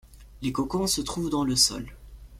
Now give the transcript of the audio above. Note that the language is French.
Les cocons se trouvent dans le sol.